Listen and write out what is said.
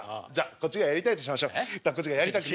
こっちがやりたくないとしましょう。